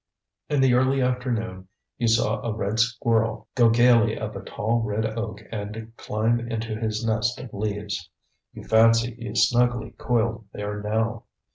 In the early afternoon you saw a red squirrel go gaily up a tall red oak and climb into his nest of leaves. You fancy he is snugly coiled there now.